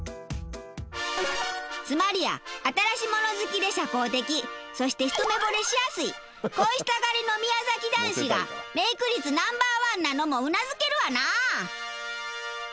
つまりや新しもの好きで社交的そして一目惚れしやすい恋したがりの宮崎男子がメイク率ナンバーワンなのもうなずけるわなあ。